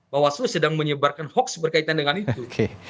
bawaslu sedang menyebarkan hoax berkaitan dengan itu